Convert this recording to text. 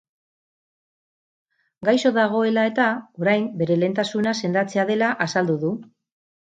Gaixo dagoela eta, orain, bere lehentasuna sendatzea dela azaldu du.